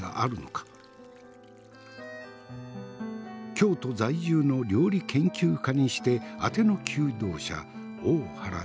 京都在住の料理研究家にしてあての求道者大原千鶴。